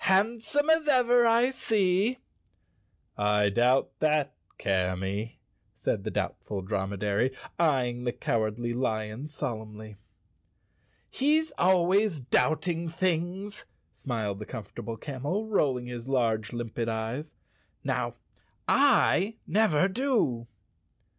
"Handsome as ever, I see." " I doubt that, Camy," said the Doubtful Dromedary, eying the Cowardly Lion solemnly. "He's always doubting things," smiled the Comfort¬ able Camel, rolling his large, limpid eyes. "Now, I never do."